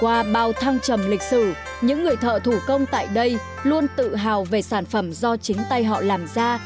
qua bao thăng trầm lịch sử những người thợ thủ công tại đây luôn tự hào về sản phẩm do chính tay họ làm ra